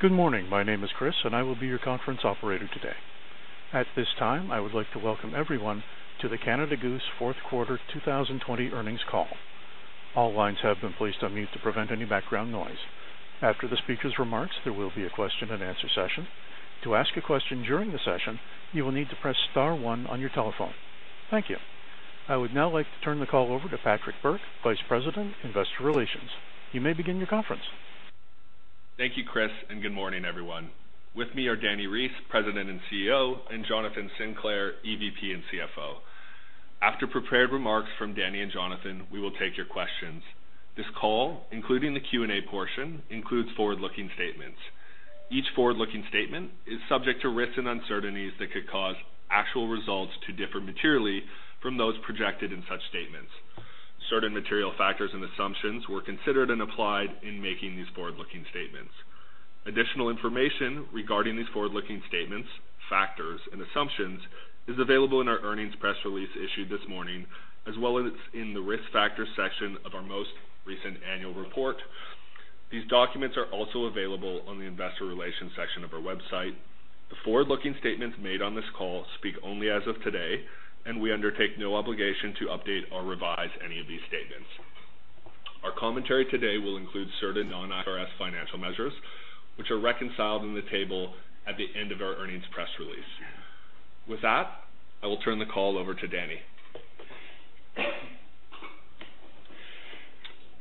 Good morning. My name is Chris and I will be your conference operator today. At this time, I would like to welcome everyone to the Canada Goose fourth quarter 2020 earnings call. All lines have been placed on mute to prevent any background noise. After the speaker's remarks, there will be a question and answer session. To ask a question during the session, you will need to press star one on your telephone. Thank you. I would now like to turn the call over to Patrick Bourke, Vice President, Investor Relations. You may begin your conference. Thank you, Chris, and good morning everyone. With me are Dani Reiss, President and Chief Executive Officer, and Jonathan Sinclair, Executive Vice President and Chief Financial Officer. After prepared remarks from Dani and Jonathan, we will take your questions. This call, including the Q&A portion, includes forward-looking statements. Each forward-looking statement is subject to risks and uncertainties that could cause actual results to differ materially from those projected in such statements. Certain material factors and assumptions were considered and applied in making these forward-looking statements. Additional information regarding these forward-looking statements, factors, and assumptions is available in our earnings press release issued this morning, as well as in the Risk Factors section of our most recent annual report. These documents are also available on the Investor Relations section of our website. The forward-looking statements made on this call speak only as of today. We undertake no obligation to update or revise any of these statements. Our commentary today will include certain non-GAAP financial measures, which are reconciled in the table at the end of our earnings press release. With that, I will turn the call over to Dani.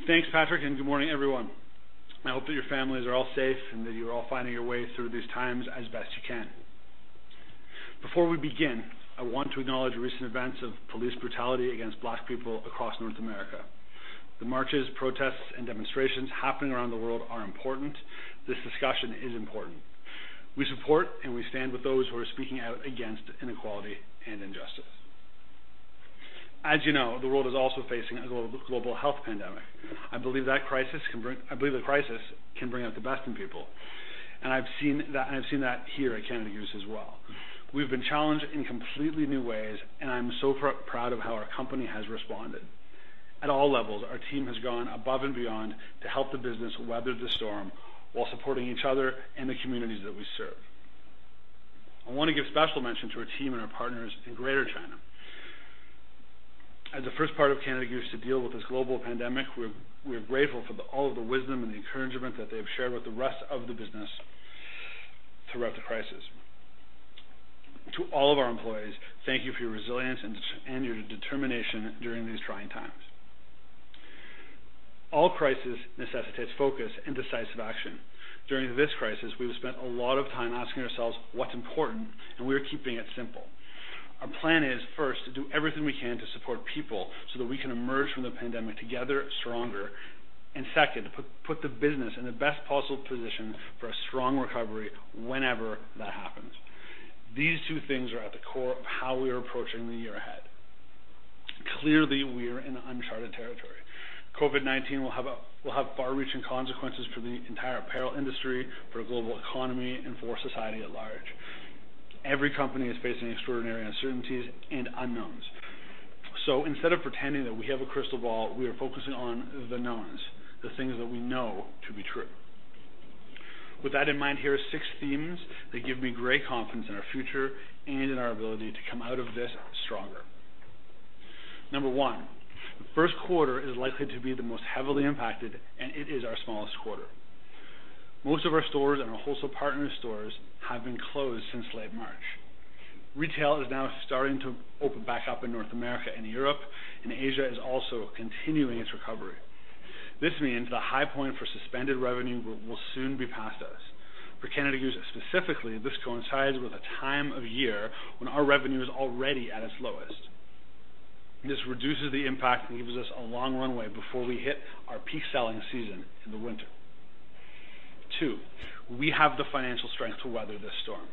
Thanks, Patrick. Good morning everyone. I hope that your families are all safe and that you're all finding your way through these times as best you can. Before we begin, I want to acknowledge the recent events of police brutality against Black people across North America. The marches, protests, and demonstrations happening around the world are important. This discussion is important. We support and we stand with those who are speaking out against inequality and injustice. As you know, the world is also facing a global health pandemic. I believe the crisis can bring out the best in people, and I've seen that here at Canada Goose as well. We've been challenged in completely new ways, and I'm so proud of how our company has responded. At all levels, our team has gone above and beyond to help the business weather the storm while supporting each other and the communities that we serve. I want to give special mention to our team and our partners in Greater China. As the first part of Canada Goose to deal with this global pandemic, we're grateful for all of the wisdom and the encouragement that they have shared with the rest of the business throughout the crisis. To all of our employees, thank you for your resilience and your determination during these trying times. All crisis necessitates focus and decisive action. During this crisis, we've spent a lot of time asking ourselves what's important, and we're keeping it simple. Our plan is, first, to do everything we can to support people so that we can emerge from the pandemic together, stronger. Second, to put the business in the best possible position for a strong recovery whenever that happens. These two things are at the core of how we are approaching the year ahead. Clearly, we are in uncharted territory. COVID-19 will have far-reaching consequences for the entire apparel industry, for the global economy, and for society at large. Every company is facing extraordinary uncertainties and unknowns. Instead of pretending that we have a crystal ball, we are focusing on the knowns, the things that we know to be true. With that in mind, here are six themes that give me great confidence in our future and in our ability to come out of this stronger. Number one, the first quarter is likely to be the most heavily impacted, and it is our smallest quarter. Most of our stores and our wholesale partner stores have been closed since late March. Retail is now starting to open back up in North America and Europe, and Asia is also continuing its recovery. This means the high point for suspended revenue will soon be past us. For Canada Goose specifically, this coincides with a time of year when our revenue is already at its lowest. This reduces the impact and gives us a long runway before we hit our peak selling season in the winter. Two, we have the financial strength to weather this storm.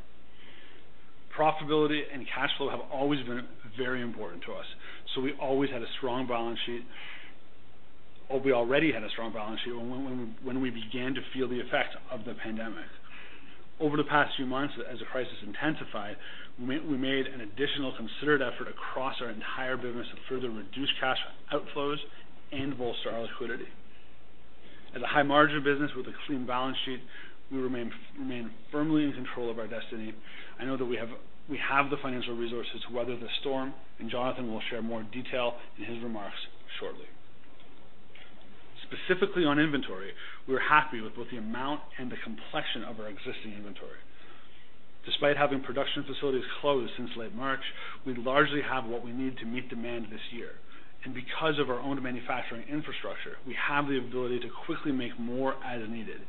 Profitability and cash flow have always been very important to us, so we already had a strong balance sheet when we began to feel the effect of the pandemic. Over the past few months as the crisis intensified, we made an additional considered effort across our entire business to further reduce cash outflows and bolster our liquidity. As a high-margin business with a clean balance sheet, we remain firmly in control of our destiny. I know that we have the financial resources to weather the storm. Jonathan will share more detail in his remarks shortly. Specifically on inventory, we're happy with both the amount and the complexion of our existing inventory. Despite having production facilities closed since late March, we largely have what we need to meet demand this year. Because of our own manufacturing infrastructure, we have the ability to quickly make more as needed,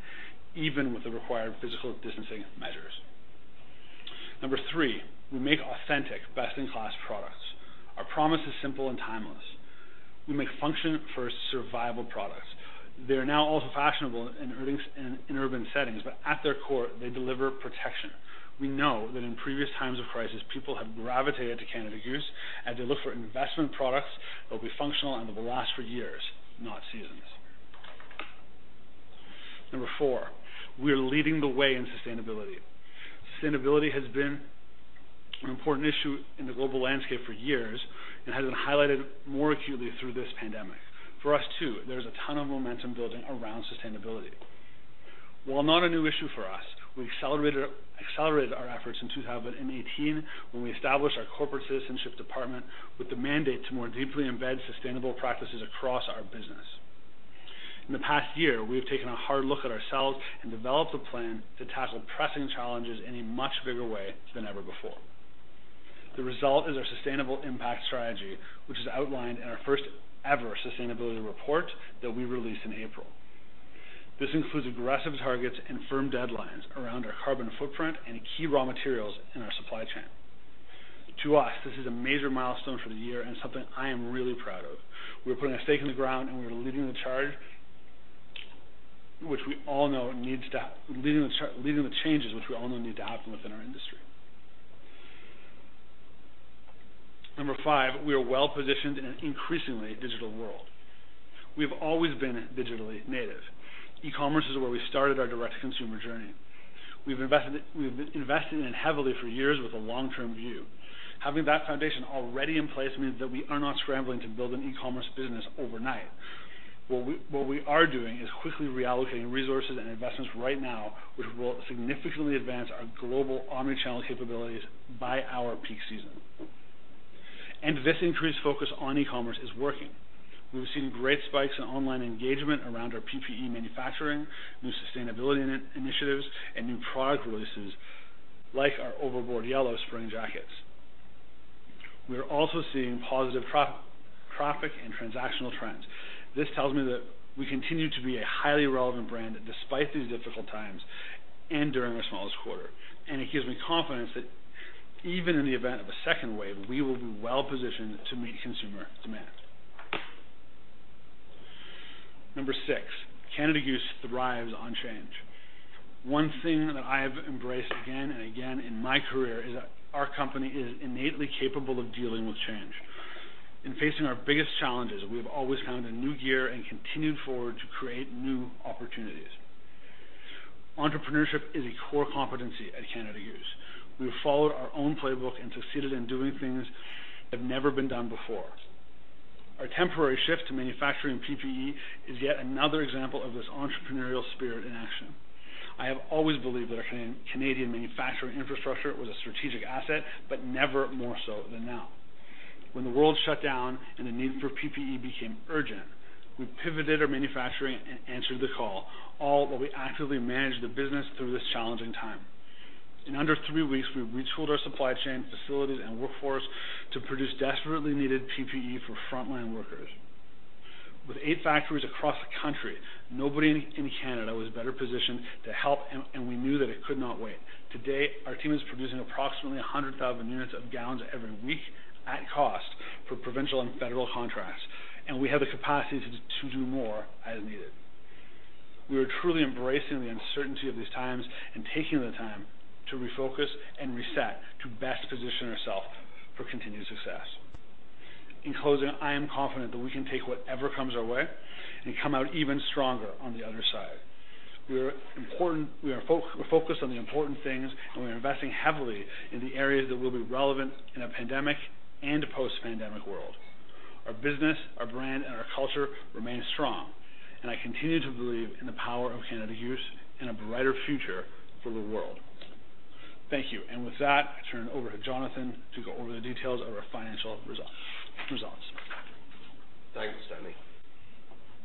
even with the required physical distancing measures. Number three, we make authentic, best-in-class products. Our promise is simple and timeless. We make function-first survival products. They are now also fashionable in urban settings, but at their core, they deliver protection. We know that in previous times of crisis, people have gravitated to Canada Goose as they look for investment products that will be functional and that will last for years, not seasons. Number four, we are leading the way in sustainability. Sustainability has been an important issue in the global landscape for years and has been highlighted more acutely through this pandemic. For us, too, there's a ton of momentum building around sustainability. While not a new issue for us, we accelerated our efforts in 2018 when we established our Corporate Citizenship Department with the mandate to more deeply embed sustainable practices across our business. In the past year, we have taken a hard look at ourselves and developed a plan to tackle pressing challenges in a much bigger way than ever before. The result is our sustainable impact strategy, which is outlined in our first-ever sustainability report that we released in April. This includes aggressive targets and firm deadlines around our carbon footprint and key raw materials in our supply chain. To us, this is a major milestone for the year and something I am really proud of. We are putting a stake in the ground, we are leading the charge, leading the changes which we all know need to happen within our industry. Number five, we are well positioned in an increasingly digital world. We've always been digitally native. E-commerce is where we started our direct consumer journey. We've invested in heavily for years with a long-term view. Having that foundation already in place means that we are not scrambling to build an e-commerce business overnight. What we are doing is quickly reallocating resources and investments right now, which will significantly advance our global omni-channel capabilities by our peak season. This increased focus on e-commerce is working. We've seen great spikes in online engagement around our PPE manufacturing, new sustainability initiatives, and new product releases like our Overboard Yellow spring jackets. We are also seeing positive traffic and transactional trends. This tells me that we continue to be a highly relevant brand despite these difficult times and during our smallest quarter. It gives me confidence that even in the event of a second wave, we will be well-positioned to meet consumer demand. Number six, Canada Goose thrives on change. One thing that I have embraced again and again in my career is that our company is innately capable of dealing with change. In facing our biggest challenges, we have always found a new gear and continued forward to create new opportunities. Entrepreneurship is a core competency at Canada Goose. We have followed our own playbook and succeeded in doing things that have never been done before. Our temporary shift to manufacturing PPE is yet another example of this entrepreneurial spirit in action. I have always believed that our Canadian manufacturing infrastructure was a strategic asset, but never more so than now. When the world shut down and the need for PPE became urgent, we pivoted our manufacturing and answered the call, all while we actively managed the business through this challenging time. In under three weeks, we retooled our supply chain facilities and workforce to produce desperately needed PPE for frontline workers. With eight factories across the country, nobody in Canada was better positioned to help, and we knew that it could not wait. Today, our team is producing approximately 100,000 units of gowns every week at cost for provincial and federal contracts, and we have the capacity to do more as needed. We are truly embracing the uncertainty of these times and taking the time to refocus and reset to best position ourself for continued success. In closing, I am confident that we can take whatever comes our way and come out even stronger on the other side. We are focused on the important things, and we are investing heavily in the areas that will be relevant in a pandemic and a post-pandemic world. Our business, our brand, and our culture remain strong, and I continue to believe in the power of Canada Goose in a brighter future for the world. Thank you. With that, I turn over to Jonathan to go over the details of our financial results. Thanks, Dani.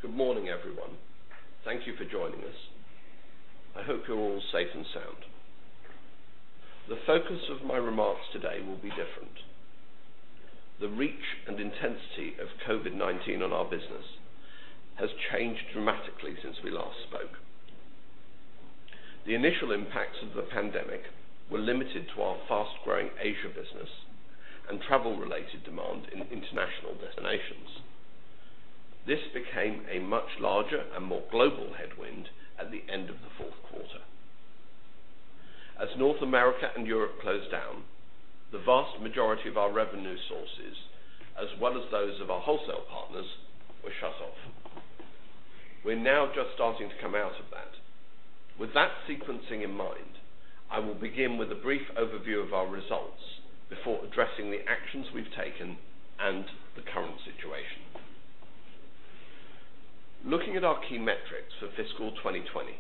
Good morning, everyone. Thank you for joining us. I hope you're all safe and sound. The focus of my remarks today will be different. The reach and intensity of COVID-19 on our business has changed dramatically since we last spoke. The initial impacts of the pandemic were limited to our fast-growing Asia business and travel-related demand in international destinations. This became a much larger and more global headwind at the end of the fourth quarter. As North America and Europe closed down, the vast majority of our revenue sources, as well as those of our wholesale partners, were shut off. We're now just starting to come out of that. With that sequencing in mind, I will begin with a brief overview of our results before addressing the actions we've taken and the current situation. Looking at our key metrics for fiscal 2020,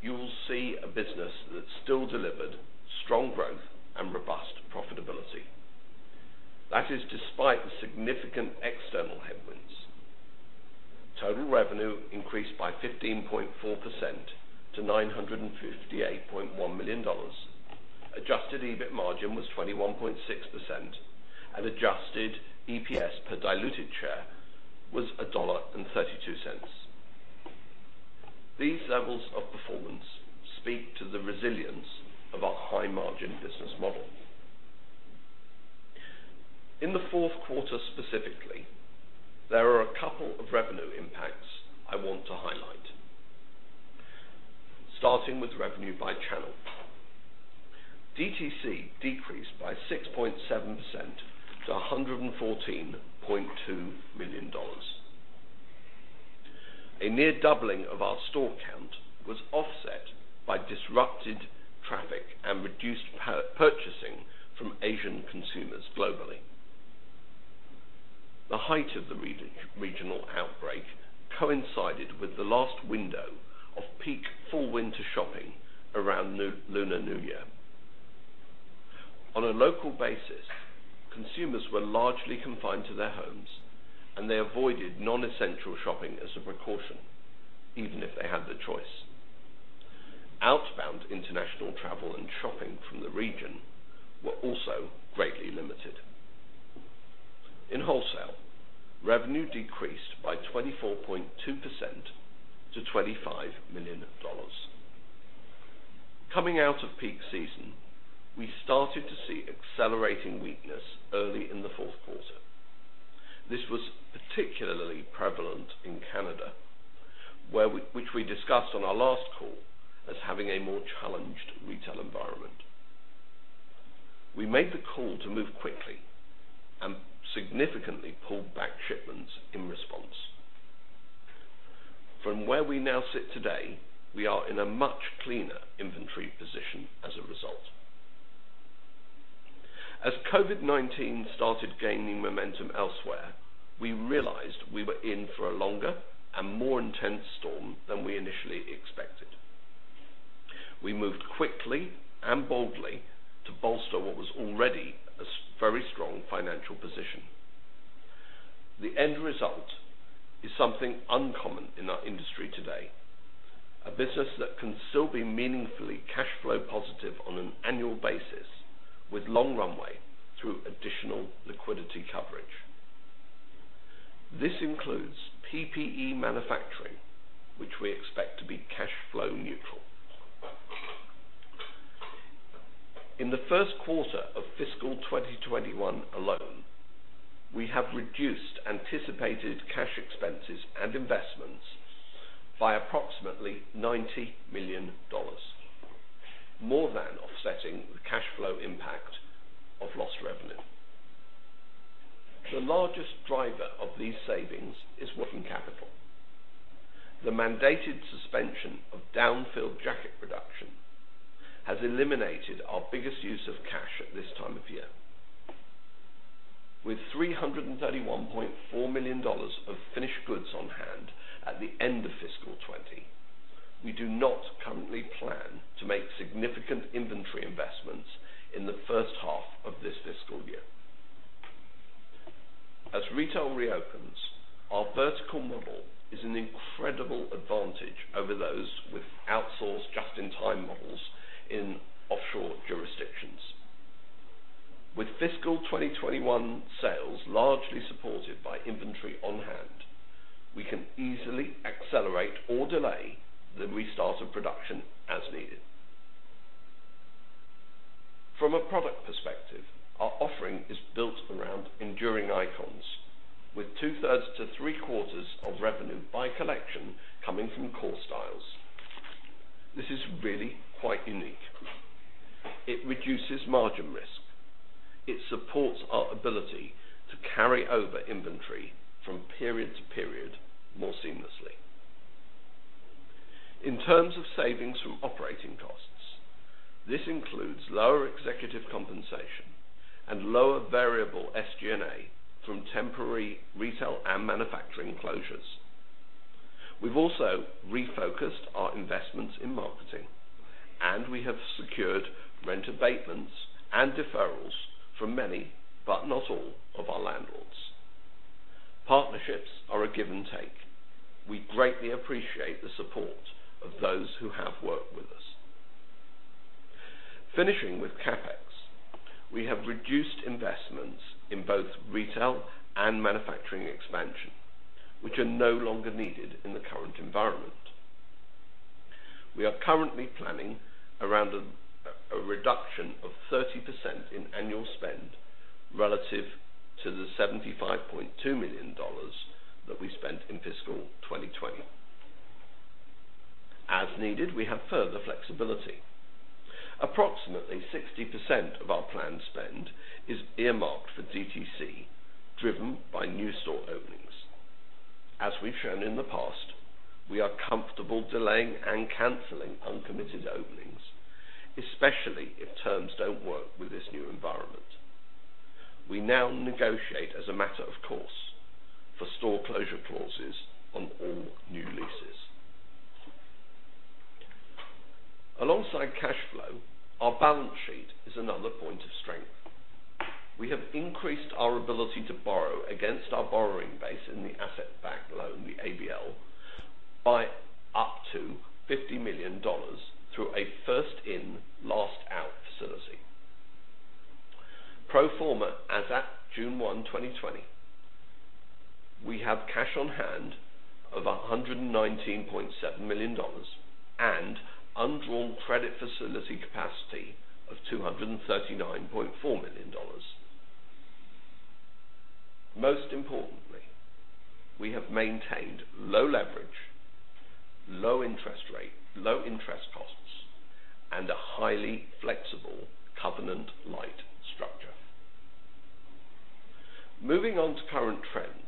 you will see a business that still delivered strong growth and robust profitability. That is despite the significant external headwinds. Total revenue increased by 15.4% to CAD 958.1 million. Adjusted EBIT margin was 21.6%, and adjusted EPS per diluted share was 1.32 dollar. These levels of performance speak to the resilience of our high-margin business model. In the fourth quarter specifically, there are a couple of revenue impacts I want to highlight. Starting with revenue by channel. DTC decreased by 6.7% to 114.2 million dollars. A near doubling of our store count was offset by disrupted traffic and reduced purchasing from Asian consumers globally. The height of the regional outbreak coincided with the last window of peak full winter shopping around Lunar New Year. On a local basis, consumers were largely confined to their homes, and they avoided non-essential shopping as a precaution, even if they had the choice. Outbound international travel and shopping from the region were also greatly limited. In wholesale, revenue decreased by 24.2% to 25 million dollars. Coming out of peak season, we started to see accelerating weakness early in the fourth quarter. This was particularly prevalent in Canada, which we discussed on our last call as having a more challenged retail environment. We made the call to move quickly and significantly pulled back shipments in response. From where we now sit today, we are in a much cleaner inventory position as a result. As COVID-19 started gaining momentum elsewhere, we realized we were in for a longer and more intense storm than we initially expected. We moved quickly and boldly to bolster what was already a very strong financial position. The end result is something uncommon in our industry today, a business that can still be meaningfully cash flow positive on an annual basis with long runway through additional liquidity coverage. This includes PPE manufacturing, which we expect to be cash flow neutral. In the first quarter of fiscal 2021 alone, we have reduced anticipated cash expenses and investments by approximately 90 million dollars, more than offsetting the cash flow impact of lost revenue. The largest driver of these savings is working capital. The mandated suspension of down-filled jacket production has eliminated our biggest use of cash at this time of year. With 331.4 million dollars of finished goods on hand at the end of fiscal 2020, we do not currently plan to make significant inventory investments in the first half of this fiscal year. As retail reopens, our vertical model is an incredible advantage over those with outsourced just-in-time models in offshore jurisdictions. With fiscal 2021 sales largely supported by inventory on hand, we can easily accelerate or delay the restart of production as needed. From a product perspective, our offering is built around enduring icons, with two-thirds to three-quarters of revenue by collection coming from core styles. This is really quite unique. It reduces margin risk. It supports our ability to carry over inventory from period to period more seamlessly. In terms of savings from operating costs, this includes lower executive compensation and lower variable SG&A from temporary retail and manufacturing closures. We've also refocused our investments in marketing, and we have secured rent abatements and deferrals from many, but not all, of our landlords. Partnerships are a give and take. We greatly appreciate the support of those who have worked with us. Finishing with CapEx, we have reduced investments in both retail and manufacturing expansion, which are no longer needed in the current environment. We are currently planning around a reduction of 30% in annual spend relative to the 75.2 million dollars that we spent in fiscal 2020. As needed, we have further flexibility. Approximately 60% of our planned spend is earmarked for DTC, driven by new store openings. As we've shown in the past, we are comfortable delaying and canceling uncommitted openings, especially if terms don't work with this new environment. We now negotiate as a matter of course for store closure clauses on all new leases. Alongside cash flow, our balance sheet is another point of strength. We have increased our ability to borrow against our borrowing base in the asset-backed loan, the ABL, by up to 50 million dollars through a first in, last out facility. Pro forma, as at June 1, 2020, we have cash on hand of 119.7 million dollars and undrawn credit facility capacity of CAD 239.4 million. Most importantly, we have maintained low leverage, low interest rate, low interest costs, and a highly flexible, covenant light structure. Moving on to current trends.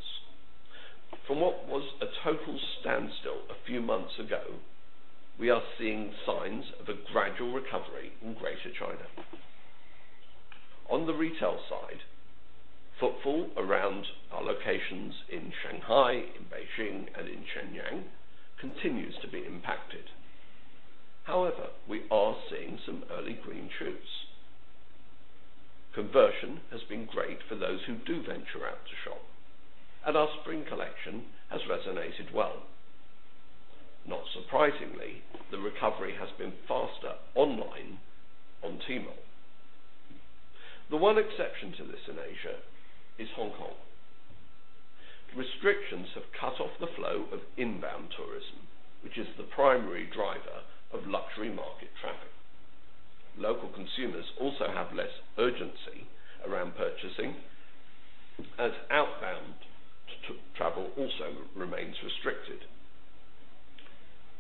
From what was a total standstill a few months ago, we are seeing signs of a gradual recovery in Greater China. On the retail side, footfall around our locations in Shanghai, in Beijing, and in Shenyang continues to be impacted. However, we are seeing some early green shoots. Conversion has been great for those who do venture out to shop, and our spring collection has resonated well. Not surprisingly, the recovery has been faster online on Tmall. The one exception to this in Asia is Hong Kong. Restrictions have cut off the flow of inbound tourism, which is the primary driver of luxury market traffic. Local consumers also have less urgency around purchasing, as outbound travel also remains restricted.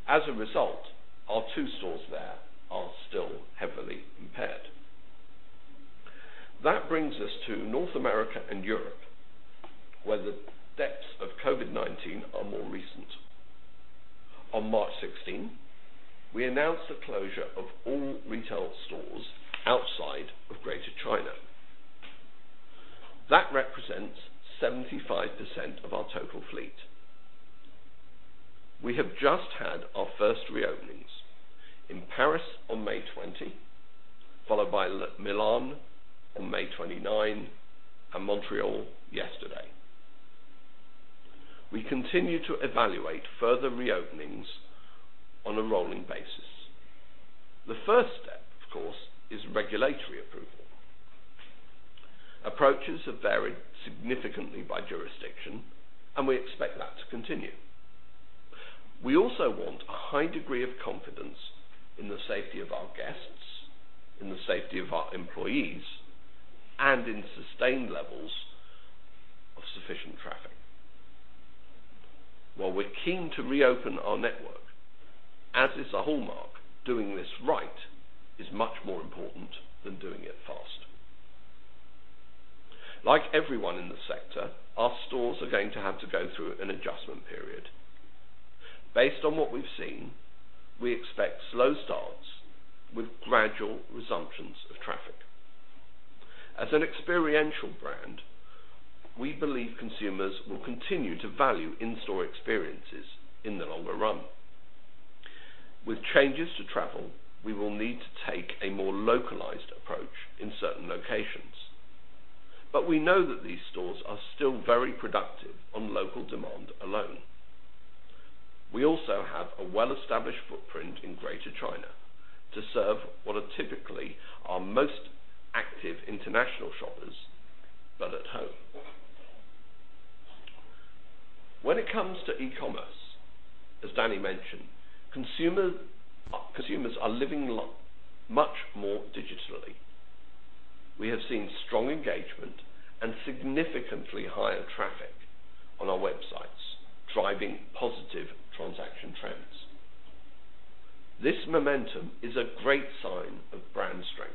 As a result, our two stores there are still heavily impaired. That brings us to North America and Europe, where the depths of COVID-19 are more recent. On March 16, we announced the closure of all retail stores outside of Greater China. That represents 75% of our total fleet. We have just had our first reopenings in Paris on May 20, followed by Milan on May 29 and Montreal yesterday. We continue to evaluate further reopenings on a rolling basis. The first step, of course, is regulatory approval. Approaches have varied significantly by jurisdiction, and we expect that to continue. We also want a high degree of confidence in the safety of our guests, in the safety of our employees, and in sustained levels of sufficient traffic. While we're keen to reopen our network, as is a hallmark, doing this right is much more important than doing it fast. Like everyone in the sector, our stores are going to have to go through an adjustment period. Based on what we've seen, we expect slow starts with gradual resumptions of traffic. As an experiential brand, we believe consumers will continue to value in-store experiences in the longer run. With changes to travel, we will need to take a more localized approach in certain locations, but we know that these stores are still very productive on local demand alone. We also have a well-established footprint in Greater China to serve what are typically our most active international shoppers, but at home. When it comes to e-commerce, as Dani mentioned, consumers are living much more digitally. We have seen strong engagement and significantly higher traffic on our websites, driving positive transaction trends. This momentum is a great sign of brand strength,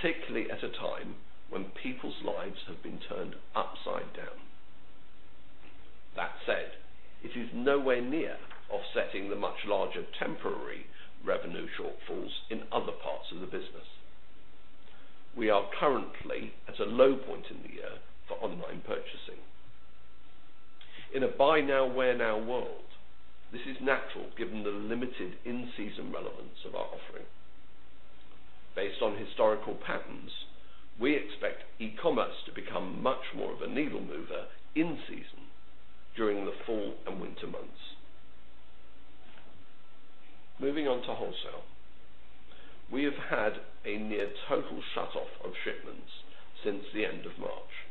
particularly at a time when people's lives have been turned upside down. That said, it is nowhere near offsetting the much larger temporary revenue shortfalls in other parts of the business. We are currently at a low point in the year for online purchasing. In a buy now, wear now world, this is natural given the limited in-season relevance of our offering. Based on historical patterns, we expect e-commerce to become much more of a needle mover in season during the fall and winter months. Moving on to wholesale. We have had a near total shutoff of shipments since the end of March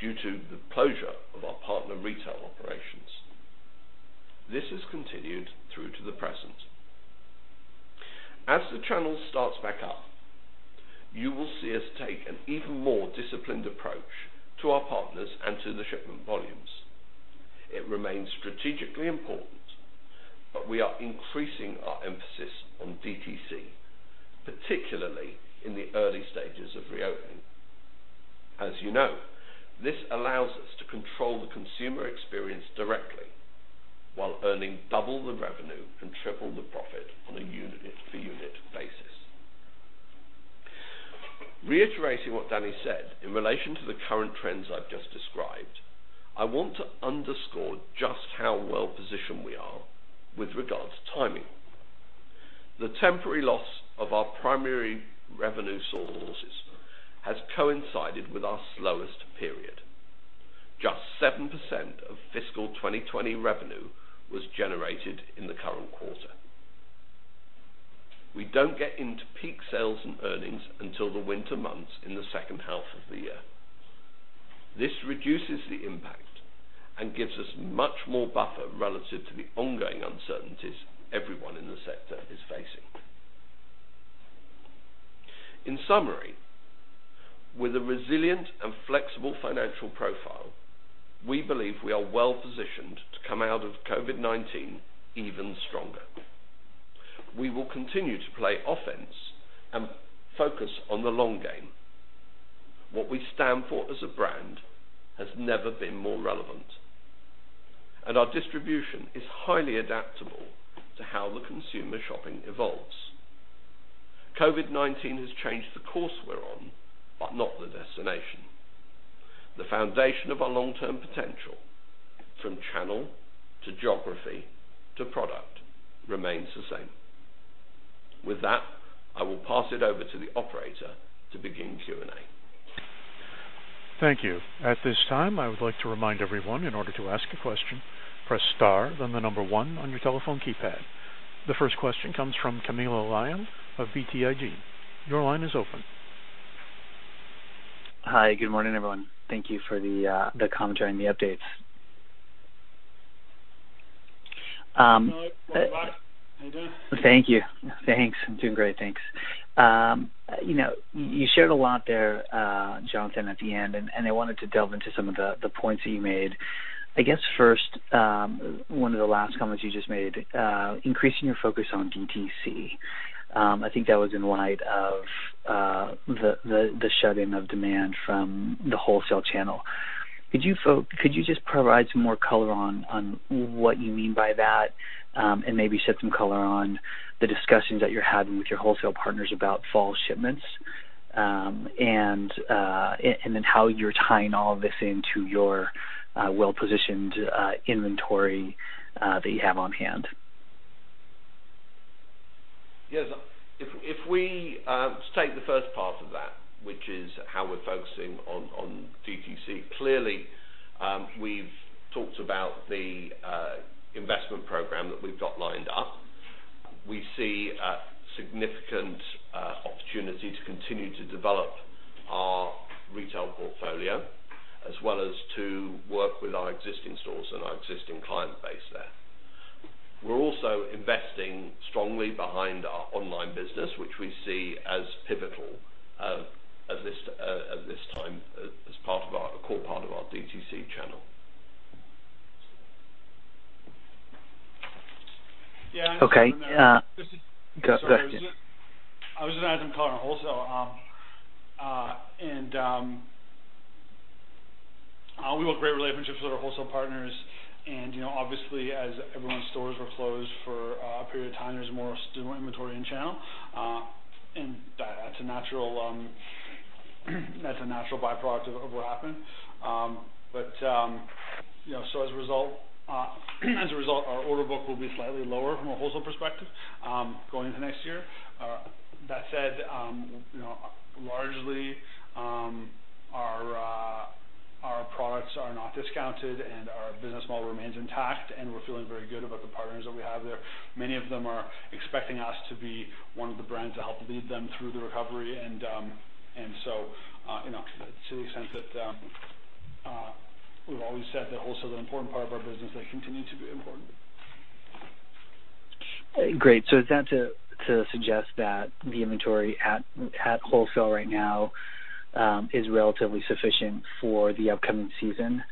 due to the closure of our partner retail operations. This has continued through to the present. As the channel starts back up, you will see us take an even more disciplined approach to our partners and to the shipment volumes. It remains strategically important, but we are increasing our emphasis on DTC, particularly in the early stages of reopening. As you know, this allows us to control the consumer experience directly while earning double the revenue and triple the profit on a unit-for-unit basis. Reiterating what Dani said in relation to the current trends I've just described, I want to underscore just how well-positioned we are with regard to timing. The temporary loss of our primary revenue sources has coincided with our slowest period. Just 7% of fiscal 2020 revenue was generated in the current quarter. We don't get into peak sales and earnings until the winter months in the second half of the year. This reduces the impact and gives us much more buffer relative to the ongoing uncertainties everyone in the sector is facing. In summary, with a resilient and flexible financial profile, we believe we are well positioned to come out of COVID-19 even stronger. We will continue to play offense and focus on the long game. What we stand for as a brand has never been more relevant, and our distribution is highly adaptable to how the consumer shopping evolves. COVID-19 has changed the course we're on, but not the destination. The foundation of our long-term potential, from channel to geography to product, remains the same. With that, I will pass it over to the operator to begin Q&A. Thank you. At this time, I would like to remind everyone, in order to ask a question, press star, then the number one on your telephone keypad. The first question comes from Camilo Lyon of BTIG. Your line is open. Hi. Good morning, everyone. Thank Thank you for the commentary and the updates. Hi, Camilo. How are you doing? Thank you. Thanks. I'm doing great, thanks. You shared a lot there, Jonathan, at the end. I wanted to delve into some of the points that you made. I guess first, one of the last comments you just made, increasing your focus on DTC. I think that was in light of the shut-in of demand from the wholesale channel. Could you just provide some more color on what you mean by that, and maybe shed some color on the discussions that you're having with your wholesale partners about fall shipments, and then how you're tying all of this into your well-positioned inventory that you have on hand? Yes. To take the first part of that, which is how we're focusing on DTC. Clearly, we've talked about the investment program that we've got lined up. We see a significant opportunity to continue to develop our retail portfolio as well as to work with our existing stores and our existing client base there. We're also investing strongly behind our online business, which we see as pivotal at this time as a core part of our DTC channel. Yeah, and just from there. Okay. Go ahead. Sorry. I was just adding color on wholesale. We've got great relationships with our wholesale partners and obviously as everyone's stores were closed for a period of time, there's more inventory in channel. That's a natural byproduct of what happened. As a result, our order book will be slightly lower from a wholesale perspective going into next year. That said, largely, our products are not discounted and our business model remains intact, and we're feeling very good about the partners that we have there. Many of them are expecting us to be one of the brands to help lead them through the recovery, and so to the extent that we've always said that wholesale is an important part of our business, that continues to be important. Great. Is that to suggest that the inventory at wholesale right now is relatively sufficient for the upcoming season,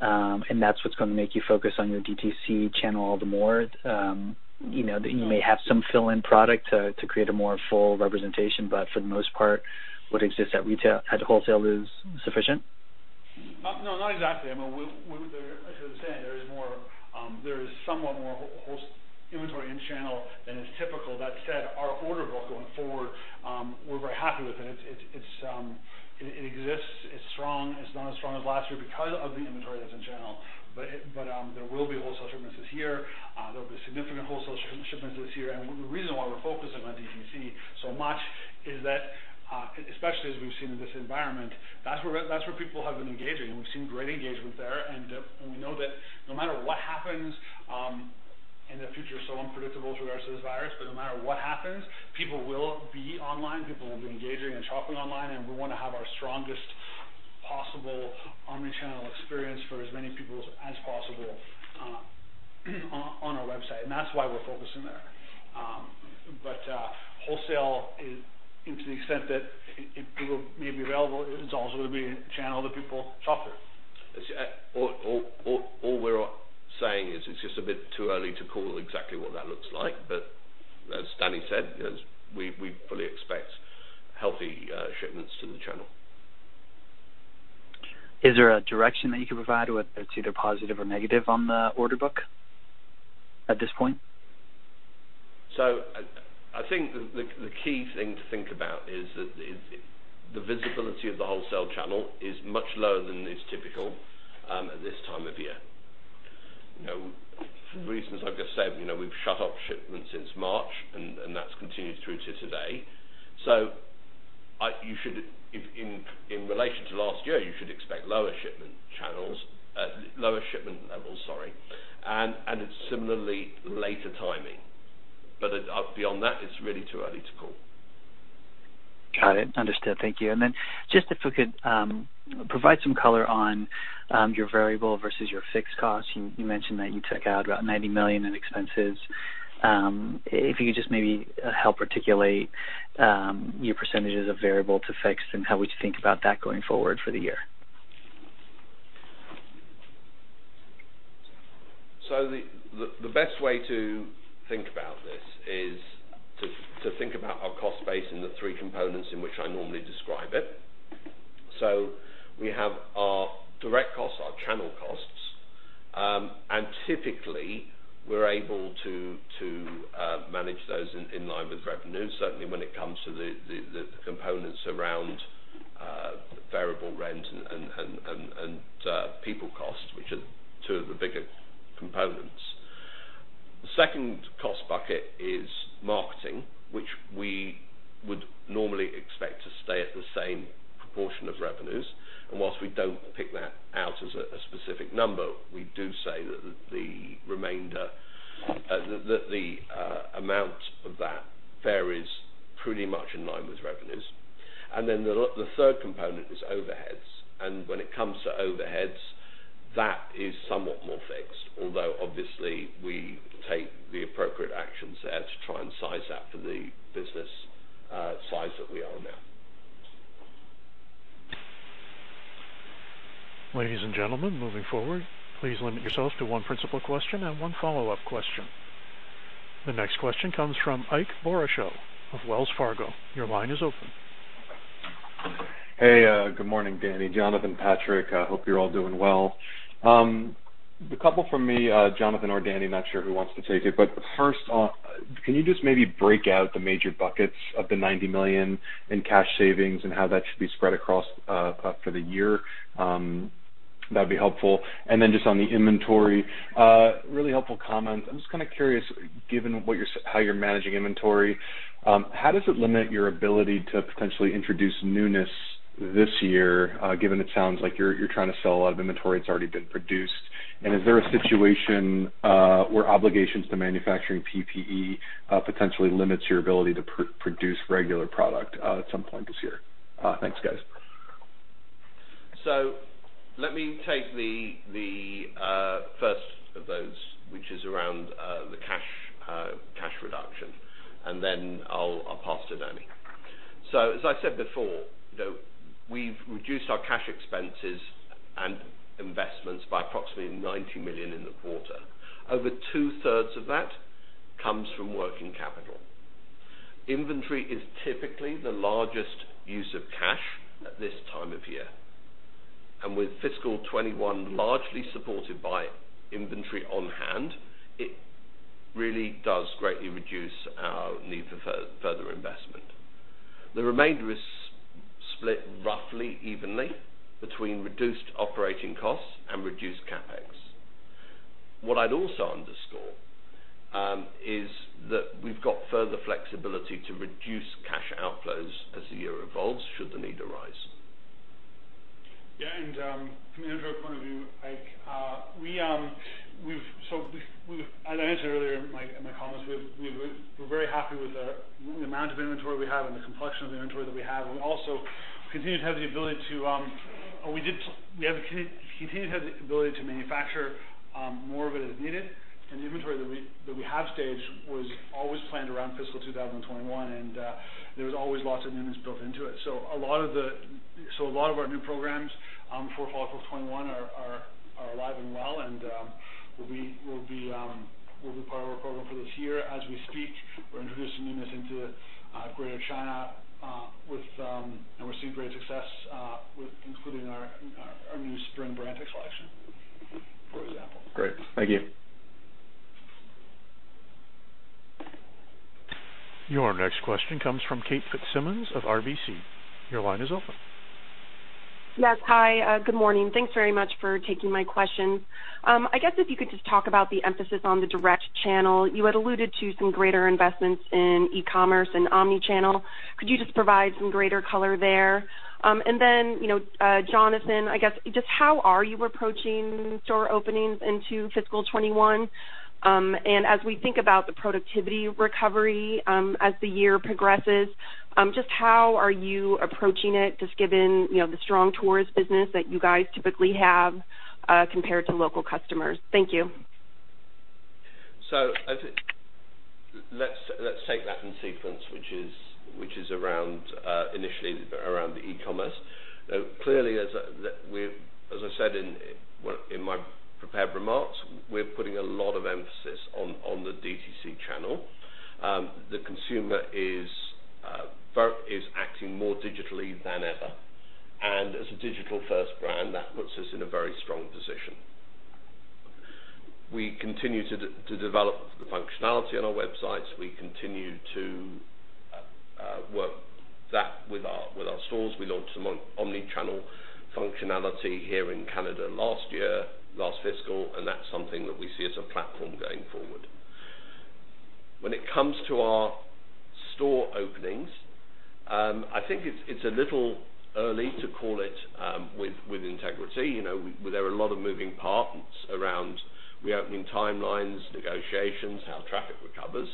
and that's what's going to make you focus on your DTC channel all the more? That you may have some fill-in product to create a more full representation, but for the most part, what exists at retail, at wholesale is sufficient? No, not exactly. As I was saying, there is somewhat more inventory in channel than is typical. That said, our order book going forward, we're very happy with it. It exists. It's strong. It's not as strong as last year because of the inventory that's in channel. There will be wholesale shipments this year. There will be significant wholesale shipments this year. The reason why we're focusing on DTC so much is that, especially as we've seen in this environment, that's where people have been engaging, and we've seen great engagement there. We know that no matter what happens, and the future is so unpredictable with regards to this virus, but no matter what happens, people will be online. People will be engaging and shopping online, and we want to have our strongest possible omni-channel experience for as many people as possible on our website. That's why we're focusing there. Wholesale, to the extent that it may be available, is also going to be a channel that people shop with. All we're saying is it's just a bit too early to call exactly what that looks like. As Dani said, we fully expect healthy shipments to the channel. Is there a direction that you can provide, whether it's either positive or negative, on the order book at this point? I think the key thing to think about is the visibility of the wholesale channel is much lower than is typical at this time of year. For the reasons I've just said, we've shut off shipments since March, and that's continued through to today. In relation to last year, you should expect lower shipment channels, lower shipment levels, sorry, and a similarly later timing. Beyond that, it's really too early to call. Got it. Understood. Thank you. Just if you could provide some color on your variable versus your fixed costs. You mentioned that you took out about 90 million in expenses. If you could just maybe help articulate your percentages of variable to fixed and how we should think about that going forward for the year? The best way to think about this is to think about our cost base and the three components in which I normally describe it. We have our direct costs, our channel costs, and typically we're able to manage those in line with revenue, certainly when it comes to the components around variable rent and people costs, which are two of the bigger components. The second cost bucket is marketing, which we would normally expect to stay at the same proportion of revenues. Whilst we don't pick that out as a specific number, we do say that the amount of that varies pretty much in line with revenues. Then the third component is overheads. When it comes to overheads, that is somewhat more fixed, although obviously we take the appropriate actions there to try and size that for the business size that we are now. Ladies and gentlemen, moving forward, please limit yourself to one principal question and one follow-up question. The next question comes from Ike Boruchow of Wells Fargo. Your line is open. Good morning, Dani, Jonathan, Patrick. Hope you're all doing well. A couple from me, Jonathan or Dani, not sure who wants to take it. First off, can you just maybe break out the major buckets of the 90 million in cash savings and how that should be spread across for the year? That'd be helpful. Then just on the inventory, really helpful comment. I'm just kind of curious, given how you're managing inventory, how does it limit your ability to potentially introduce newness this year, given it sounds like you're trying to sell a lot of inventory that's already been produced? Is there a situation where obligations to manufacturing PPE potentially limits your ability to produce regular product at some point this year? Thanks, guys. Let me take the first of those, which is around the cash reduction, and then I'll pass to Dani. As I said before, we've reduced our cash expenses and investments by approximately 90 million in the quarter. Over two-thirds of that comes from working capital. Inventory is typically the largest use of cash at this time of year, and with fiscal 2021 largely supported by inventory on hand, it really does greatly reduce our need for further investment. The remainder is split roughly evenly between reduced operating costs and reduced CapEx. What I'd also underscore is that we've got further flexibility to reduce cash outflows as the year evolves should the need arise. From an inventory point of view, Ike, as I mentioned earlier in my comments, we're very happy with the amount of inventory we have and the complexion of inventory that we have. We continue to have the ability to manufacture more of it as needed. The inventory that we have staged was always planned around fiscal 2021, and there was always lots of newness built into it. A lot of our new programs for fall of 2021 are alive and well and will be part of our program for this year. As we speak, we're introducing newness into Greater China, and we're seeing great success, including our new spring BRANTA collection, for example. Great. Thank you. Your next question comes from Kate Fitzsimons of RBC. Your line is open. Yes. Hi, good morning. Thanks very much for taking my questions. I guess if you could just talk about the emphasis on the direct channel. You had alluded to some greater investments in e-commerce and omni-channel. Could you just provide some greater color there? Jonathan, I guess just how are you approaching store openings into fiscal 2021? As we think about the productivity recovery as the year progresses, just how are you approaching it, just given the strong tourist business that you guys typically have compared to local customers? Thank you. Let's take that in sequence, which is initially around the e-commerce. Clearly, as I said in my prepared remarks, we're putting a lot of emphasis on the DTC channel. The consumer is acting more digitally than ever, and as a digital-first brand, that puts us in a very strong position. We continue to develop the functionality on our websites. We continue to work that with our stores. We launched some omni-channel functionality here in Canada last year, last fiscal, and that's something that we see as a platform going forward. When it comes to our store openings, I think it's a little early to call it with integrity. There are a lot of moving parts around reopening timelines, negotiations, how traffic recovers,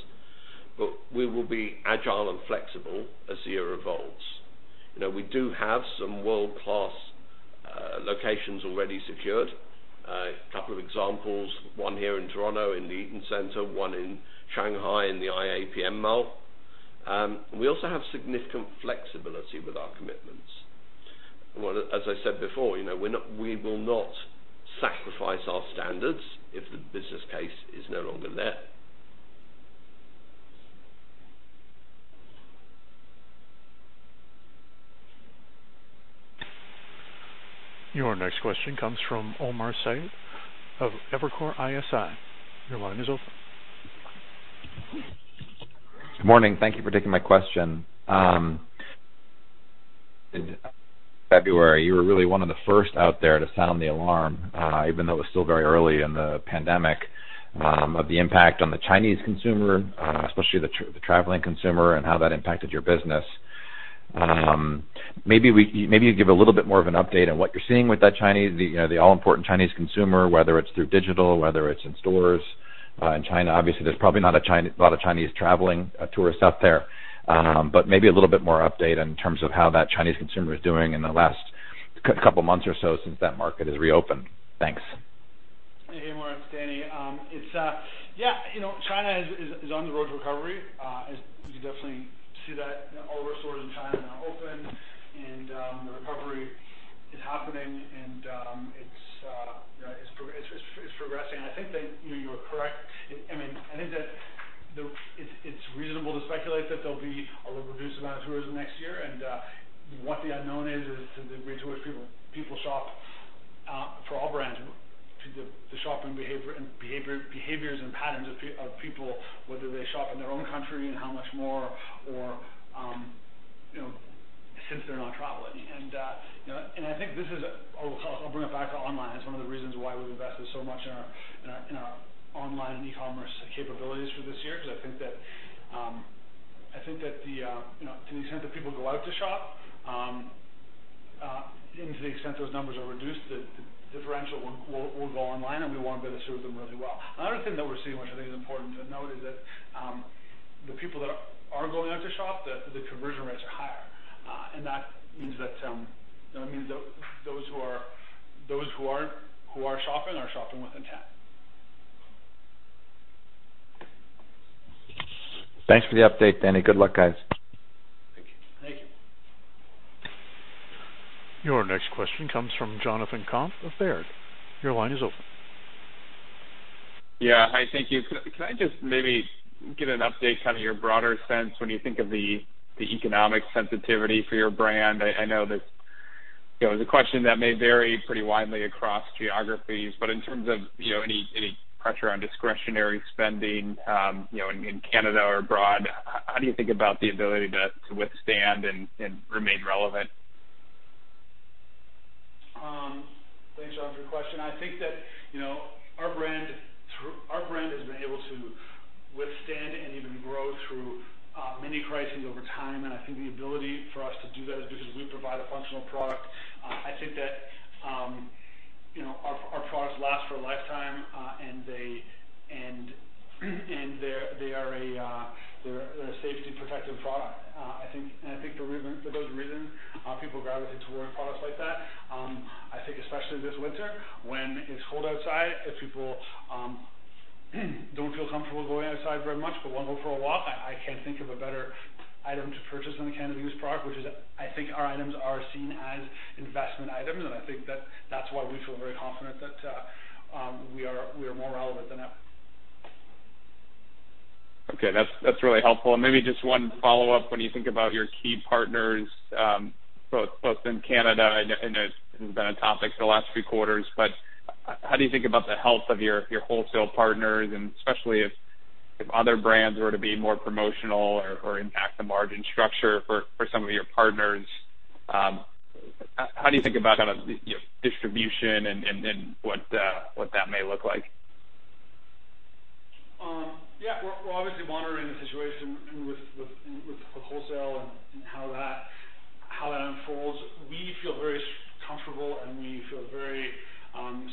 but we will be agile and flexible as the year evolves. We do have some world-class locations already secured. A couple of examples, one here in Toronto in the Eaton Centre, one in Shanghai in the IAPM Mall. We also have significant flexibility with our commitments. Well, as I said before, we will not sacrifice our standards if the business case is no longer there. Your next question comes from Omar Saad of Evercore ISI. Your line is open. Good morning. Thank you for taking my question. In February, you were really one of the first out there to sound the alarm, even though it was still very early in the pandemic, of the impact on the Chinese consumer, especially the traveling consumer, and how that impacted your business. Maybe you can give a little bit more of an update on what you're seeing with the all-important Chinese consumer, whether it's through digital, whether it's in stores in China. Obviously, there's probably not a lot of Chinese traveling tourists out there. Maybe a little bit more update in terms of how that Chinese consumer is doing in the last couple of months or so since that market has reopened. Thanks. Hey, Omar. It's Dani. China is on the road to recovery, as you can definitely see that all of our stores in China are now open, and the recovery is happening and it's progressing. I think that you are correct. I think that it's reasonable to speculate that there'll be a little reduced amount of tourism next year, and what the unknown is to the degree to which people shop for all brands, the shopping behaviors and patterns of people, whether they shop in their own country and how much more, or since they're not traveling. I think I'll bring it back to online as one of the reasons why we've invested so much in our online and e-commerce capabilities for this year, because I think that to the extent that people go out to shop, and to the extent those numbers are reduced, the differential will go online, and we want to be able to serve them really well. Another thing that we're seeing, which I think is important to note, is that the people that are going out to shop, the conversion rates are higher. That means that those who are shopping are shopping with intent. Thanks for the update, Dani. Good luck, guys. Thank you. Your next question comes from Jonathan Komp of Baird. Your line is open. Yeah. Hi, thank you. Could I just maybe get an update, your broader sense when you think of the economic sensitivity for your brand? I know that it's a question that may vary pretty widely across geographies, but in terms of any pressure on discretionary spending in Canada or abroad, how do you think about the ability to withstand and remain relevant? Thanks, Jon, for your question. I think our brand has been able to withstand and even grow through many crises over time. I think the ability for us to do that is because we provide a functional product. I think our products last for a lifetime. They are a safety protective product. I think for those reasons, people gravitate toward products like that. I think especially this winter when it's cold outside, if people don't feel comfortable going outside very much but want to go for a walk, I can't think of a better item to purchase than a Canada Goose product. I think our items are seen as investment items. I think that's why we feel very confident that we are more relevant than ever. Okay. That's really helpful. Maybe just one follow-up. When you think about your key partners, both in Canada, I know this has been a topic for the last few quarters, but how do you think about the health of your wholesale partners, and especially if other brands were to be more promotional or impact the margin structure for some of your partners? How do you think about distribution and what that may look like? Yeah. We're obviously monitoring the situation with the wholesale and how that unfolds. We feel very comfortable and we feel very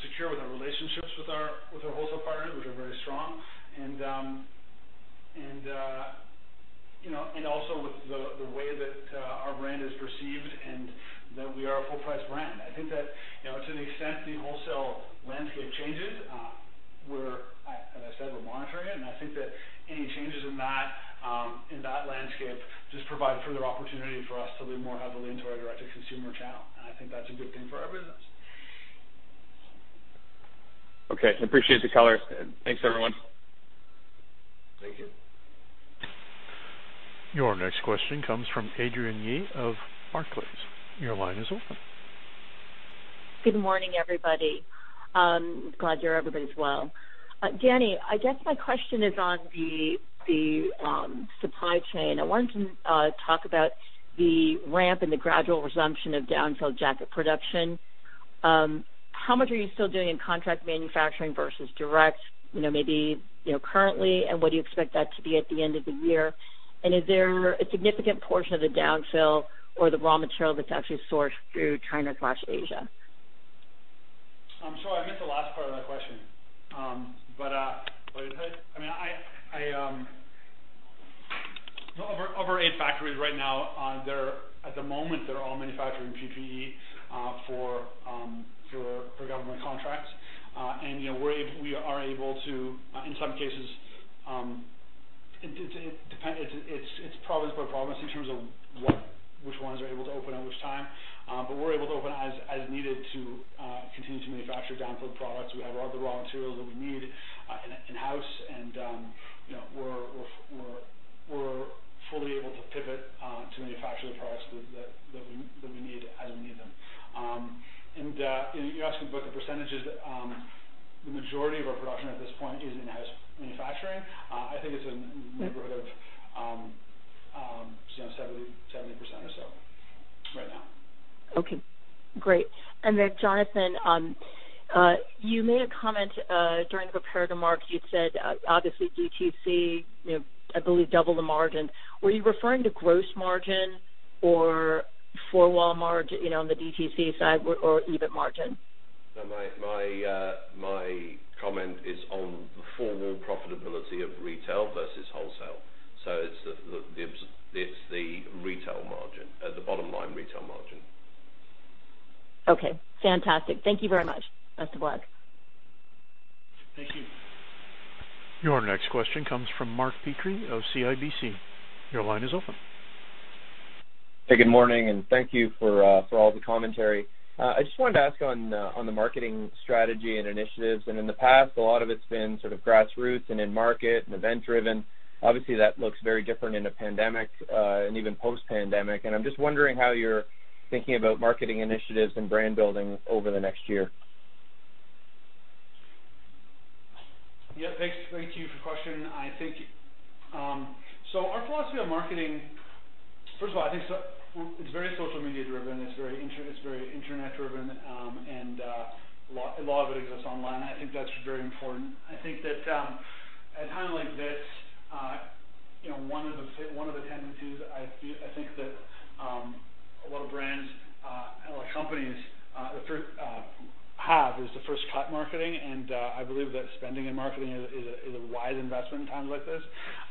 secure with our relationships with our wholesale partners, which are very strong, and also with the way that our brand is perceived, and that we are a full-price brand. I think that to the extent the wholesale landscape changes, as I said, we're monitoring it, and I think that any changes in that landscape just provide further opportunity for us to lean more heavily into our direct-to-consumer channel, and I think that's a good thing for our business. Okay. I appreciate the color. Thanks, everyone. Thank you. Your next question comes from Adrienne Yih of Barclays. Your line is open. Good morning, everybody. Glad to hear everybody's well. Dani, I guess my question is on the supply chain. I wanted to talk about the ramp and the gradual resumption of down-fill jacket production. How much are you still doing in contract manufacturing versus direct maybe currently, and what do you expect that to be at the end of the year? Is there a significant portion of the down-fill or the raw material that's actually sourced through China/Asia? I'm sorry, I missed the last part of that question. Of our eight factories right now, at the moment, they're all manufacturing PPE for government contracts. We are able to, in some cases. It depends. It's province by province in terms of which ones are able to open at which time. We're able to open as needed to continue to manufacture down-field products. We have all the raw materials that we need in-house, and we're fully able to pivot to manufacture the products that we need as we need them. You're asking about the percentages. The majority of our production at this point is in-house manufacturing. I think it's in the neighborhood of 70% or so right now. Okay, great. Jonathan, you made a comment during the prepared remarks. You said, obviously DTC, I believe doubled the margin. Were you referring to gross margin or for wholesale on the DTC side or EBIT margin? No, my comment is on the four-wall profitability of retail versus wholesale. It's the retail margin, the bottom line retail margin. Okay, fantastic. Thank you very much. Best of luck. Thank you. Your next question comes from Mark Petrie of CIBC. Your line is open. Hey, good morning, and thank you for all the commentary. I just wanted to ask on the marketing strategy and initiatives. In the past, a lot of it's been sort of grassroots and in-market and event-driven. Obviously, that looks very different in a pandemic, and even post-pandemic. I'm just wondering how you're thinking about marketing initiatives and brand building over the next year. Thank you for the question. Our philosophy on marketing, first of all, I think it's very social media driven, it's very internet driven, and a lot of it exists online, and I think that's very important. I think that at a time like this, one of the tendencies I think that a lot of brands and a lot of companies have is the first cut marketing, and I believe that spending in marketing is a wise investment in times like this.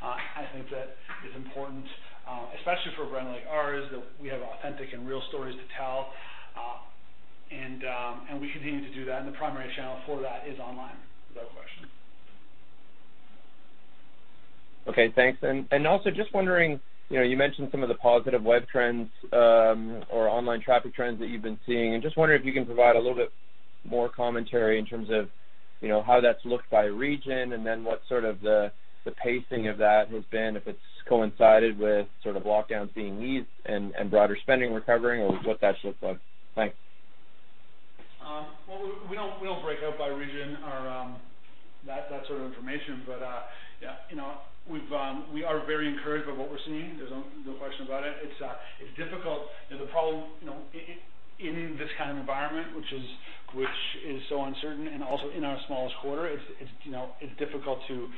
I think that is important, especially for a brand like ours, that we have authentic and real stories to tell. We continue to do that, and the primary channel for that is online, without question. Okay, thanks. Also just wondering, you mentioned some of the positive web trends, or online traffic trends that you've been seeing, and just wondering if you can provide a little bit more commentary in terms of how that's looked by region, and then what sort of the pacing of that has been, if it's coincided with sort of lockdown being eased and broader spending recovering, or what that's looked like. Thanks. Well, we don't break out by region or that sort of information. Yeah, we are very encouraged by what we're seeing. There's no question about it. It's difficult. The problem in this kind of environment, which is so uncertain and also in our smallest quarter, it's difficult to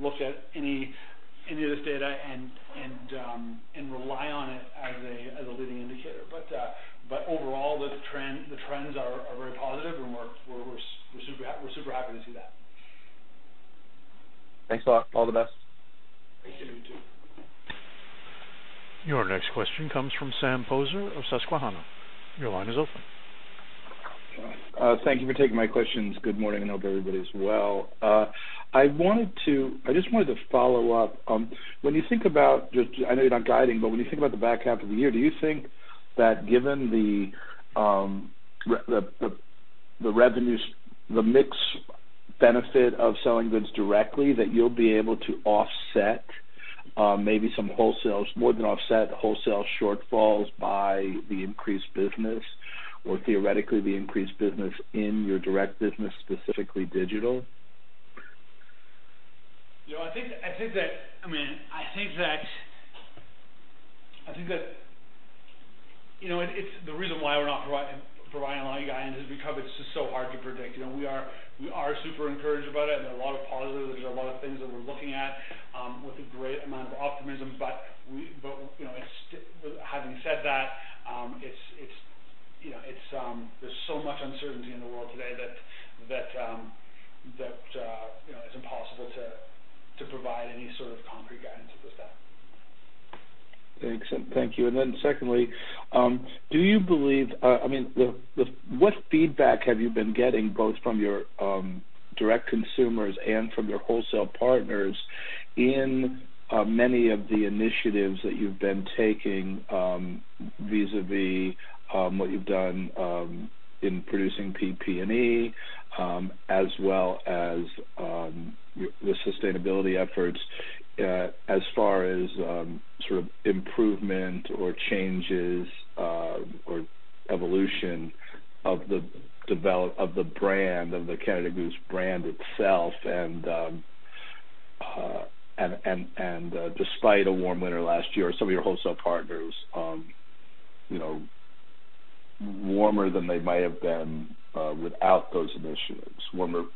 look at any of this data and rely on it as a leading indicator. Overall, the trends are very positive, and we're super happy to see that. Thanks a lot. All the best. Thank you. You too. Your next question comes from Sam Poser of Susquehanna. Your line is open. Thank you for taking my questions. Good morning. Hope everybody is well. I just wanted to follow up. I know you're not guiding, but when you think about the back half of the year, do you think that given the mix benefit of selling goods directly, that you'll be able to maybe more than offset wholesale shortfalls by the increased business, or theoretically the increased business in your direct business, specifically digital? The reason why we're not providing a lot of guidance is because it's just so hard to predict. We are super encouraged about it, and there are a lot of positives. There's a lot of things that we're looking at with a great amount of optimism. Having said that, there's so much uncertainty in the world today that it's impossible to provide any sort of concrete guidance as such. Thanks. Thank you. Then secondly, what feedback have you been getting both from your direct consumers and from your wholesale partners in many of the initiatives that you've been taking vis-a-vis what you've done in producing PPE, as well as the sustainability efforts as far as sort of improvement or changes or evolution of the brand, of the Canada Goose brand itself, and despite a warm winter last year, some of your wholesale partners, warmer than they might have been without those initiatives, warmer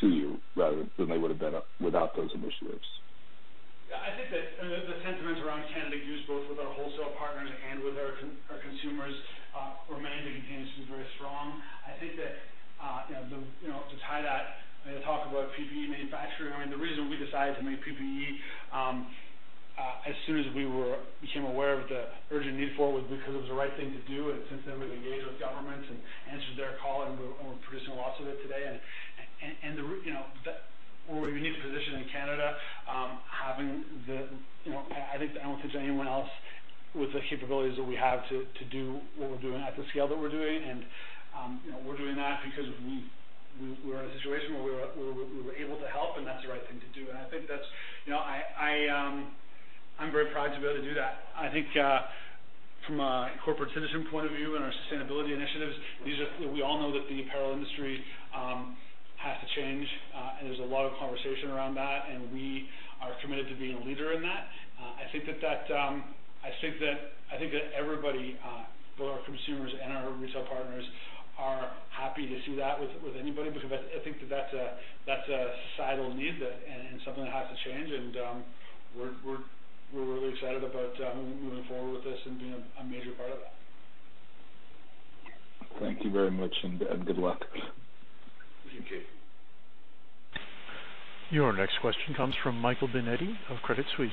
to you rather than they would've been without those initiatives? Yeah, I think that the sentiments around Canada Goose, both with our wholesale partners and with our consumers, remain and continue to be very strong. I think that to tie that, talk about PPE manufacturing, the reason we decided to make PPE as soon as we became aware of the urgent need for it was because it was the right thing to do. Since then we've engaged with governments and answered their call, and we're producing lots of it today. We're in a unique position in Canada. I don't think there's anyone else with the capabilities that we have to do what we're doing at the scale that we're doing. We're doing that because we were in a situation where we were able to help, and that's the right thing to do. I think that I'm very proud to be able to do that. I think from a corporate citizen point of view and our sustainability initiatives, we all know that the apparel industry has to change, and there's a lot of conversation around that, and we are committed to being a leader in that. I think that everybody, both our consumers and our retail partners, are happy to see that with anybody because I think that's a societal need and something that has to change. We're really excited about moving forward with this and being a major part of that. Thank you very much, and good luck. Thank you. Your next question comes from Michael Binetti of Credit Suisse.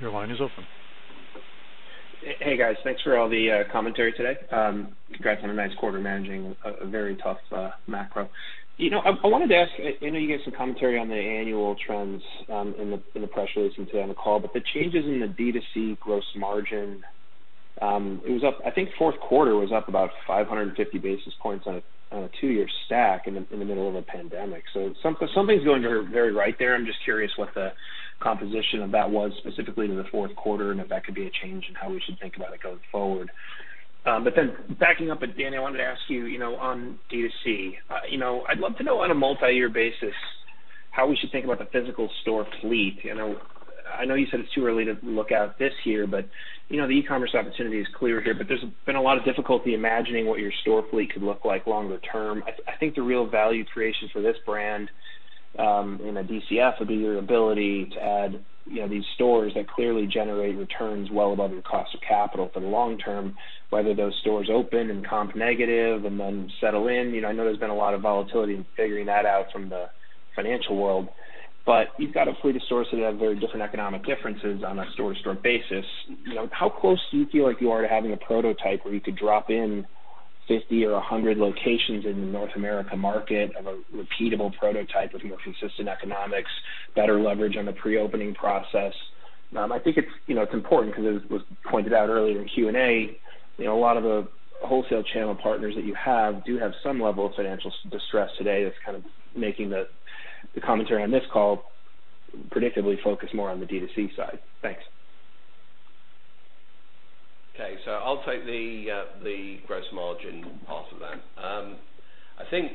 Your line is open. Hey, guys. Thanks for all the commentary today. Congrats on a nice quarter managing a very tough macro. I wanted to ask, I know you gave some commentary on the annual trends in the press release and today on the call, but the changes in the DTC gross margin, I think fourth quarter was up about 550 basis points on a two-year stack in the middle of a pandemic. Something's going very right there. I'm just curious what the composition of that was specifically in the fourth quarter and if that could be a change in how we should think about it going forward. Backing up, and Dani, I wanted to ask you on DTC. I'd love to know on a multi-year basis how we should think about the physical store fleet. I know you said it's too early to look out this year, the e-commerce opportunity is clear here. There's been a lot of difficulty imagining what your store fleet could look like longer term. I think the real value creation for this brand in a DCF would be your ability to add these stores that clearly generate returns well above your cost of capital for the long term. Whether those stores open and comp negative and then settle in. I know there's been a lot of volatility in figuring that out from the financial world, but you've got a fleet of stores that have very different economic differences on a store-to-store basis. How close do you feel like you are to having a prototype where you could drop in 50 or 100 locations in the North America market of a repeatable prototype with more consistent economics, better leverage on the pre-opening process? I think it's important because it was pointed out earlier in Q&A, a lot of the wholesale channel partners that you have do have some level of financial distress today that's kind of making the commentary on this call predictably focus more on the DTC side. Thanks. Okay, I'll take the gross margin part of that. I think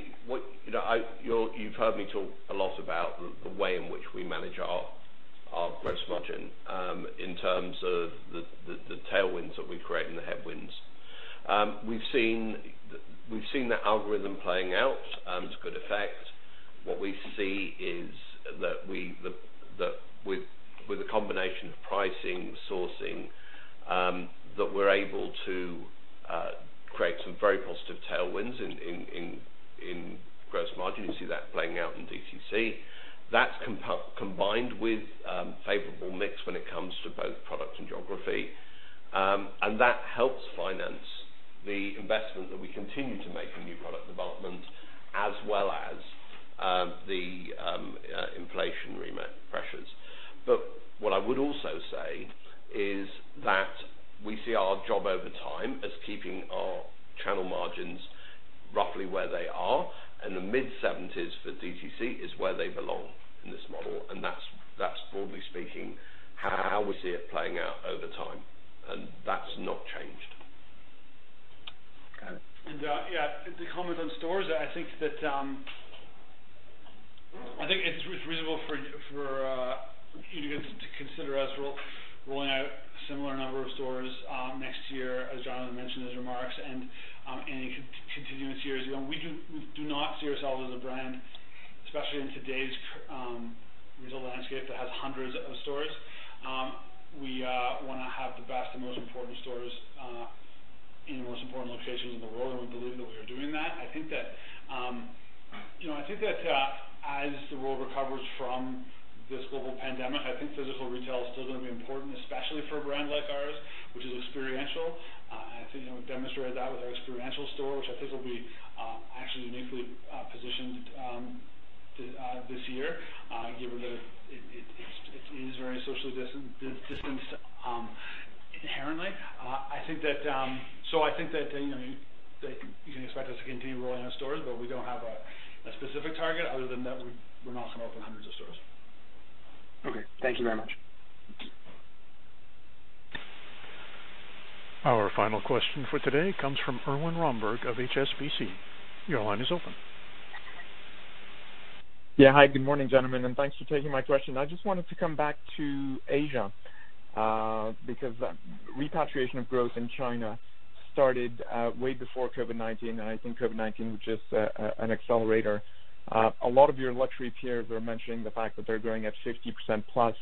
you've heard me talk a lot about the way in which we manage our gross margin in terms of the tailwinds that we create and the headwinds. We've seen the algorithm playing out to good effect. What we see is that with a combination of pricing, sourcing, that we're able to create some very positive tailwinds in gross margin. You see that playing out in DTC. That's combined with favorable mix when it comes to both product and geography, and that helps finance the investment that we continue to make in new product development as well as the inflation pressures. What I would also say is that we see our job over time as keeping our channel margins roughly where they are. In the mid-70% for DTC is where they belong in this model, and that's broadly speaking, how we see it playing out over time. That's not changed. Yeah, to comment on stores, I think it's reasonable for you to consider us rolling out a similar number of stores next year, as Jonathan mentioned in his remarks, and continuing to see where it's going. We do not see ourselves as a brand, especially in today's retail landscape that has hundreds of stores. We want to have the best and most important stores in the most important locations in the world, and we believe that we are doing that. I think that as the world recovers from this global pandemic, I think physical retail is still going to be important, especially for a brand like ours, which is experiential. I think we've demonstrated that with our experiential store, which I think will be actually uniquely positioned this year, given that it is very socially distanced inherently. I think that you can expect us to continue rolling out stores, but we don't have a specific target other than that we're not going to open hundreds of stores. Okay. Thank you very much. Our final question for today comes from Erwan Rambourg of HSBC. Your line is open. Yeah. Hi, good morning, gentlemen, and thanks for taking my question. I just wanted to come back to Asia, because repatriation of growth in China started way before COVID-19, and I think COVID-19 was just an accelerator. A lot of your luxury peers are mentioning the fact that they're growing at 50%+.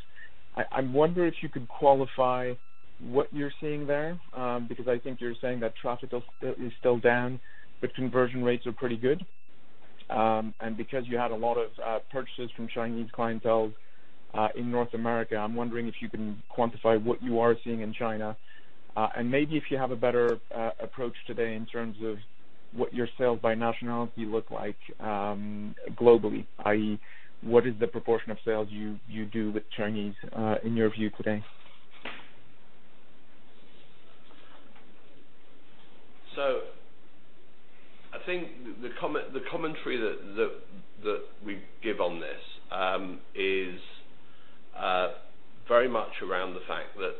I wonder if you could qualify what you're seeing there, because I think you're saying that traffic is still down, but conversion rates are pretty good. Because you had a lot of purchases from Chinese clientele in North America, I'm wondering if you can quantify what you are seeing in China. Maybe if you have a better approach today in terms of what your sales by nationality look like globally, i.e., what is the proportion of sales you do with Chinese in your view today? I think the commentary that we give on this is very much around the fact that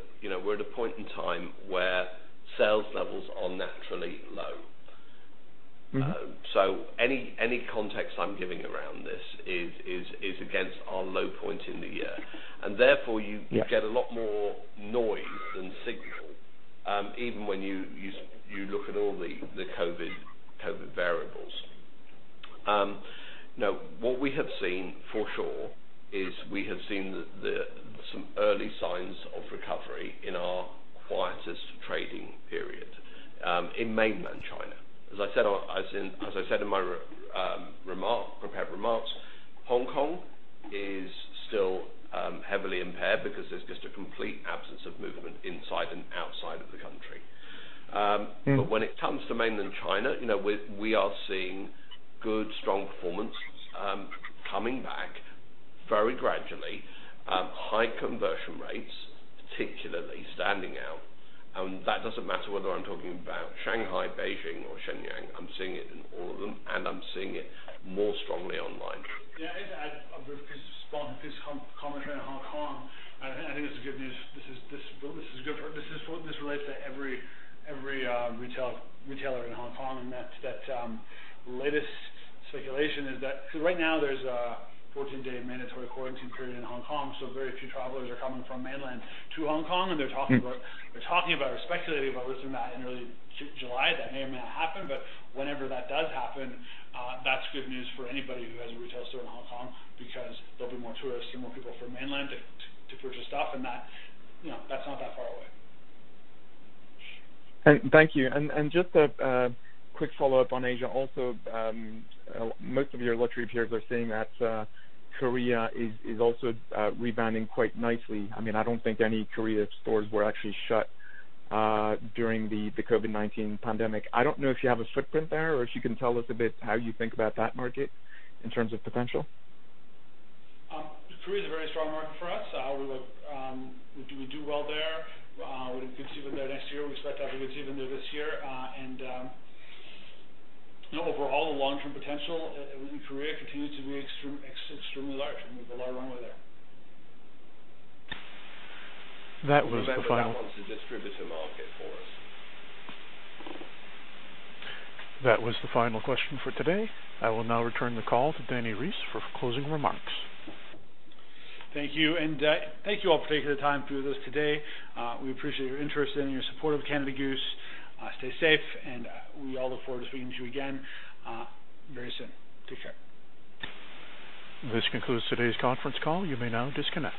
we're at a point in time where sales levels are naturally low. Any context I’m giving around this is against our low point in the year, and therefore. Yes. You get a lot more noise than signal, even when you look at all the COVID variables. Now, what we have seen for sure is, we have seen some early signs of recovery in our quietest trading period in mainland China. As I said in my prepared remarks, Hong Kong is still heavily impaired because there's just a complete absence of movement inside and outside of the country. When it comes to mainland China, we are seeing good, strong performance coming back very gradually. High conversion rates particularly standing out. That doesn't matter whether I'm talking about Shanghai, Beijing, or Shenyang. I'm seeing it in all of them, and I'm seeing it more strongly online. Yeah. I'd add a brief piece of commentary on Hong Kong. I think this is good news. This relates to every retailer in Hong Kong. That latest speculation is that right now there's a 14-day mandatory quarantine period in Hong Kong, so very few travelers are coming from mainland to Hong Kong. They're talking about or speculating about lifting that in early July. That may or may not happen. Whenever that does happen, that's good news for anybody who has a retail store in Hong Kong because there'll be more tourists and more people from mainland to purchase stuff. That's not that far away. Thank you. Just a quick follow-up on Asia also. Most of your luxury peers are saying that Korea is also rebounding quite nicely. I don't think any Korea stores were actually shut during the COVID-19 pandemic. I don't know if you have a footprint there or if you can tell us a bit how you think about that market in terms of potential. Korea is a very strong market for us. We do well there. We had a good season there last year. We expect to have a good season there this year. Overall, the long-term potential in Korea continues to be extremely large. I mean, we have a lot of runway there. That was the final. Remember, that one's a distributor market for us. That was the final question for today. I will now return the call to Dani Reiss for closing remarks. Thank you. Thank you all for taking the time to be with us today. We appreciate your interest and your support of Canada Goose. Stay safe. We all look forward to speaking to you again very soon. Take care. This concludes today's conference call. You may now disconnect.